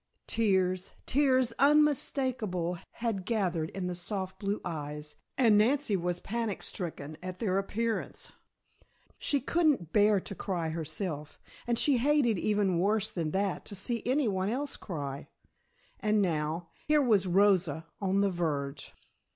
Tears, tears unmistakable had gathered in the soft blue eyes, and Nancy was panic stricken at their appearance. She couldn't bear to cry herself, and she hated even worse than that to see any one else cry. And now, here was Rosa on the verge!